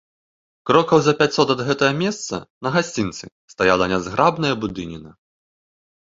Крокаў за пяцьсот ад гэтага месца, на гасцінцы, стаяла нязграбная будыніна.